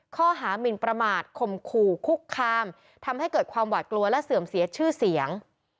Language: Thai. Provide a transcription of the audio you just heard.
ข้อหามินประมาทคมขู่คุกคามทำให้เกิดความหวาดกลัวและเสื่อมเสียชื่อเสียง